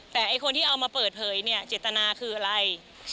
แต่ไอ้คนที่เอามาเปิดเผยเนี่ยเจตนาคืออะไร